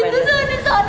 tante nggak tau sony